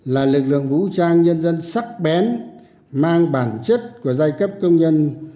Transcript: là lực lượng vũ trang nhân dân sắc bén mang bản chất của giai cấp công nhân